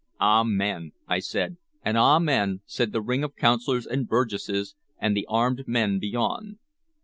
"Amen," I said, and "Amen," said the ring of Councilors and Burgesses and the armed men beyond.